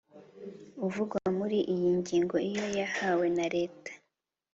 uvugwa muri iyi ngingo iyo yahawe na Leta